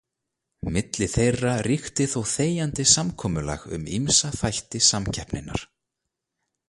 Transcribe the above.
Milli þeirra ríkti þó þegjandi samkomulag um ýmsa þætti samkeppninnar.